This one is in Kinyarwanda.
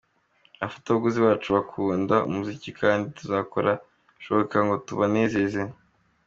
Abafatabuguzi bacu bakunda umuziki kandi turakora ibishoboka ngo tubanezeze.